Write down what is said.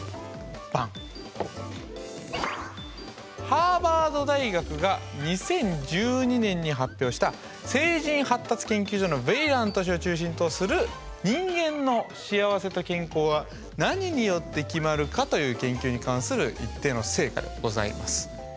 ハーバード大学が２０１２年に発表した成人発達研究所のヴェイラント氏を中心とする「人間の幸せと健康は何によって決まるか？」という研究に関する一定の成果でございます。